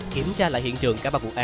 kiểm tra lại hiện trường các bà mẹ